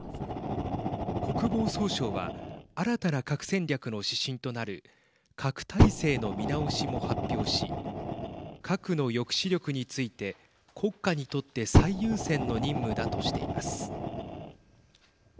国防総省は新たな核戦略の指針となる核態勢の見直しも発表し核の抑止力について国家にとって最優先の任務だとしています。